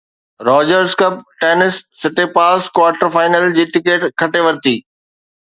Rogers Cup tennis Tsitsipas quarter final جي ٽڪيٽ کٽي ورتي